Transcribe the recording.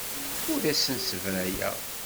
Ur asen-ssebrayeɣ.